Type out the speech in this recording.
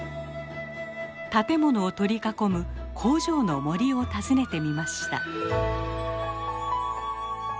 建物を取り囲む「工場の森」を訪ねてみました。